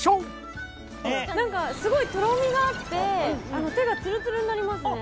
何かすごいとろみがあって手がツルツルになりますね。